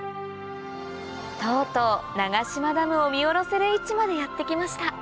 とうとう長島ダムを見下ろせる位置までやって来ました